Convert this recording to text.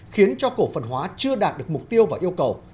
khiến cho cổ phần hóa chưa đạt được mục tiêu và yêu cầu